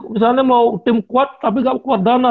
misalnya mau tim kuat tapi gak kuat dana